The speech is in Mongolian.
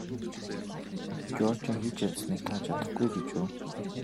Жоржийн хийж чадсаныг та чадахгүй гэж үү?